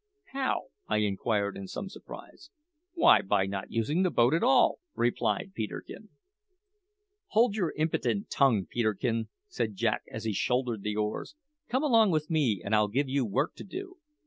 "How?" I inquired in some surprise. "Why, by not using the boat at all!" replied Peterkin. "Hold your impudent tongue, Peterkin!" said Jack as he shouldered the oars. "Come along with me, and I'll give you work to do.